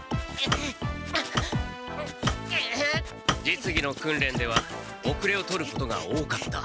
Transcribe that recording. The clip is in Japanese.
実技の訓練では後れを取ることが多かった。